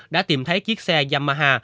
đã tìm thấy chiếc xe yamaha